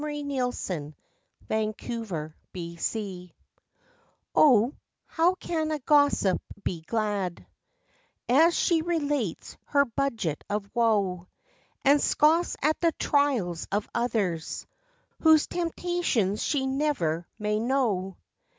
48 LIFE WAVES THE GOSSIP 0, how can a gossip be glad As she relates her budget of woe, And scoffs at the trials of others, Whose temptations she never may know.